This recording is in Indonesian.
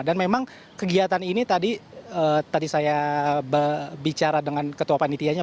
dan memang kegiatan ini tadi saya bicara dengan ketua panitianya